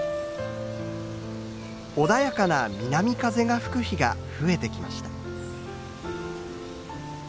穏やかな南風が吹く日が増えてきました。